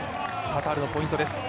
カタールのポイントです。